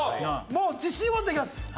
もう自信を持っていきます。